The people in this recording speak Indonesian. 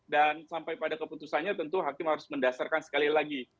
dan sampai pada keputusannya tentu hakim harus mendasarkan sekali lagi